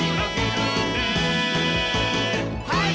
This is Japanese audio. はい！